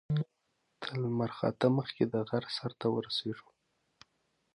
تر لمر خاته مخکې د غره سر ته ورسېږو.